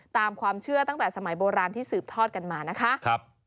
ตามความเชื่อตั้งแต่สมัยโบราณที่สืบทอดกันมานะคะ